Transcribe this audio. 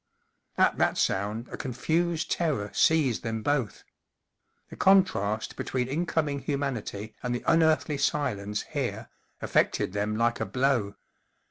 At that sound a confused terror seized them both. The contrast between incoming humanity and the unearthly silence here affected them like a blow.